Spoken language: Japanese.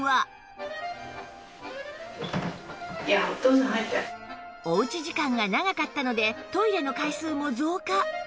先ほどのおうち時間が長かったのでトイレの回数も増加